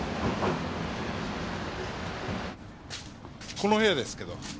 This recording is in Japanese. この部屋ですけど。